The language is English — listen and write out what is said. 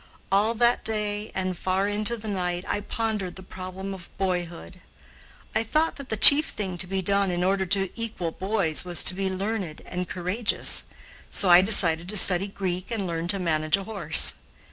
All that day and far into the night I pondered the problem of boyhood. I thought that the chief thing to be done in order to equal boys was to be learned and courageous. So I decided to study Greek and learn to manage a horse.